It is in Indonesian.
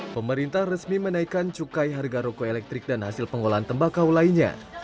pemerintah resmi menaikkan cukai harga rokok elektrik dan hasil pengolahan tembakau lainnya